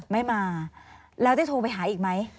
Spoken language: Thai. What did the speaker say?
ไม่มาแล้วได้โทรไปหาอีกไหม